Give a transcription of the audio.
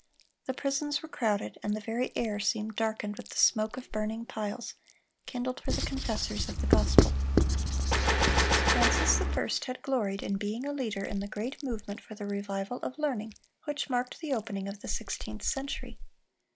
The prisons were crowded, and the very air seemed darkened with the smoke of burning piles, kindled for the confessors of the gospel. Francis I. had gloried in being a leader in the great movement for the revival of learning which marked the opening of the sixteenth century.